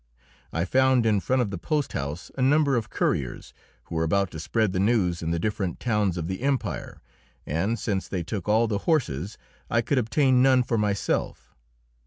I found in front of the posthouse a number of couriers, who were about to spread the news in the different towns of the empire, and, since they took all the horses, I could obtain none for myself.